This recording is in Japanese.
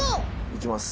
いきます。